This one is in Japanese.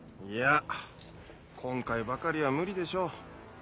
いや今回ばかりは無理でしょう。